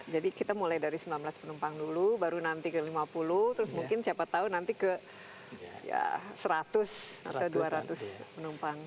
jadi kita mulai dari sembilan belas penumpang dulu baru nanti ke lima puluh terus mungkin siapa tahu nanti ke seratus atau dua ratus penumpang